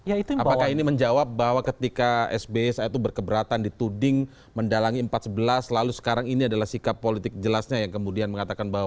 apakah ini menjawab bahwa ketika sbs berkeberatan di tuding mendalangi empat sebelas lalu sekarang ini adalah sikap politik jelasnya yang kemudian mengatakan bahwa